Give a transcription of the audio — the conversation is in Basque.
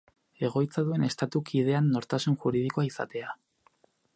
Egoitza duen estatu kidean nortasun juridikoa izatea.